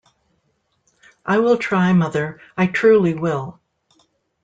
I will try, mother; I truly will.